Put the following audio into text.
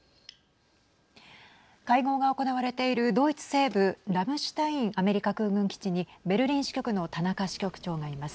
会合が行われているドイツ西部ラムシュタインアメリカ空軍基地にベルリン支局の田中支局長がいます。